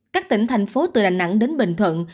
các tỉnh thành phố từ đà nẵng đến bình thuận